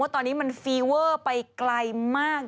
ตอนนี้มันฟีเวอร์ไปไกลมาก